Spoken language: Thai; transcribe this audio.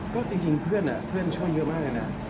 ก็จริงเพื่อนช่วยเยอะมากเลยนะ